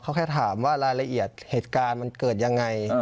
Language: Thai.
เขาแค่ถามว่ารายละเอียดเหตุการณ์มันเกิดยังไง